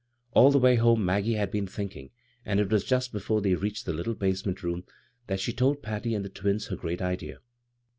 All the way home Maggie had been think ing, and it was just before they reached the little basement room that she told Patty and the twins her Great Idea.